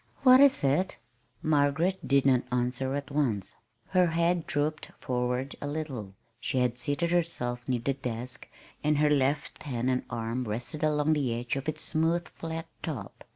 "What is it?" Margaret did not answer at once. Her head drooped forward a little. She had seated herself near the desk, and her left hand and arm rested along the edge of its smooth flat top.